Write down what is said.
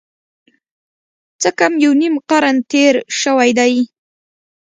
څه کم یو نیم قرن تېر شوی دی.